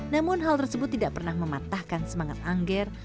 namun hal tersebut tidak pernah mematahkan semangat angger